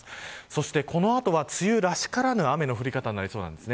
そして、この後は梅雨らしからぬ雨の降り方になりそうです。